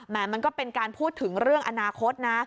มันก็เป็นการพูดถึงเรื่องอนาคตนะ